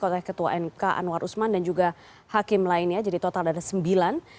oleh ketua mk anwar usman dan juga hakim lainnya jadi total ada sembilan